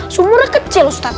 sumurnya kecil ustad